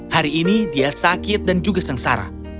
hari ini dia sakit dan juga sengsara